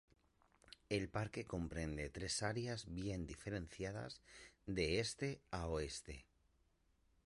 El parque comprende tres áreas bien diferenciadas, de este a oeste.